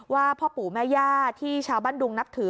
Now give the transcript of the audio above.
พ่อปู่แม่ย่าที่ชาวบ้านดุงนับถือ